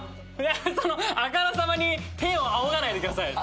あからさまに天を仰がないでください。